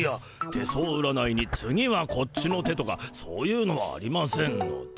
手相占いに「次はこっちの手」とかそういうのはありませんので。